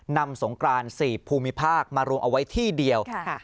นำสงครานสี่ภูมิภาคมารวมเอาไว้ที่เดียวค่ะค่ะ